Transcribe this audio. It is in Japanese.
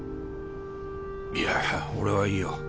いや俺はいいよ